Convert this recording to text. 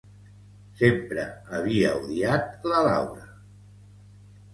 Sempre havia odiat la Laura...